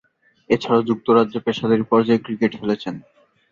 এছাড়াও, যুক্তরাজ্যে পেশাদারী পর্যায়ে ক্রিকেট খেলেছেন।